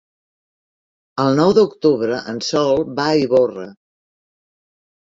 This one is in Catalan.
El nou d'octubre en Sol va a Ivorra.